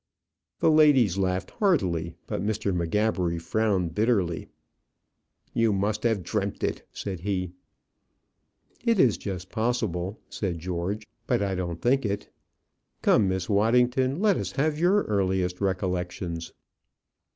The ladies laughed heartily, but Mr. M'Gabbery frowned bitterly. "You must have dreamt it," said he. "It is just possible," said George; "but I don't think it. Come, Miss Waddington, let us have your earliest recollections."